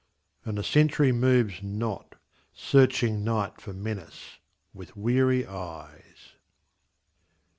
And the sentry moves not, searching Night for menace with weary eyes.